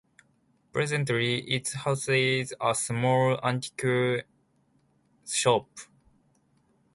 Presently, it houses a small antique shop.